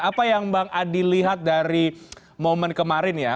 apa yang bang adi lihat dari momen kemarin ya